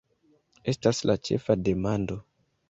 Estas la ĉefa demando!